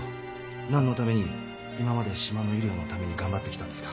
何のために今まで島の医療のために頑張ってきたんですか？